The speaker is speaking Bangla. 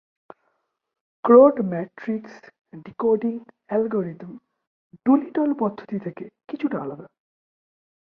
Croat matrix decoding algorithm Doolittle পদ্ধতি থেকে কিছুটা আলাদা।